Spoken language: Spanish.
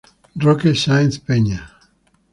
Roque Sáenz Peña.